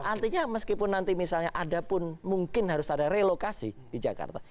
artinya meskipun nanti misalnya ada pun mungkin harus ada relokasi di jakarta